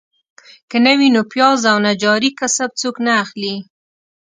که نه وي نو پیاز او نجاري کسب څوک نه اخلي.